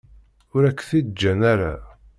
Ur ak-t-id-ǧǧan ara.